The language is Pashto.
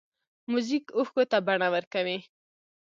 موزیک اوښکو ته بڼه ورکوي.